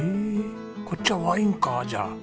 こっちはワインかじゃあ。